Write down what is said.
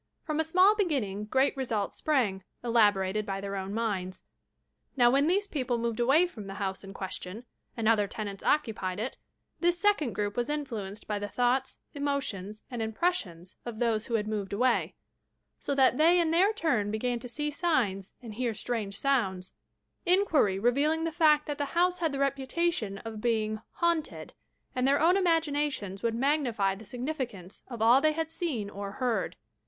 Prom a small beginning great results sprang, elaborated by their own minds. Now, when these people moved away from the house in question, and other tenants occupied it, this second group was influenced by the thoughts, emotions and impressions of those who had moved away, so that they in their tnm began to see signs and hear strange sounds, — inquiry revealing the fact that the house had the reputation of being "haunted," and their own imaginations would magnify the significance of all they had seen or heard.